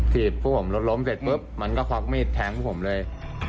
ทีบผู้หลมต้งเริ่มเสร็จปุ๊บมันก็ควักมีดแทงพวกผมเลย